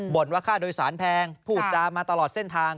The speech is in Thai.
ว่าค่าโดยสารแพงพูดจามาตลอดเส้นทาง